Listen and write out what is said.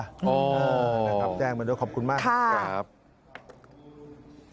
แดงเหมือนเดี๋ยวขอบคุณมากครับค่ะ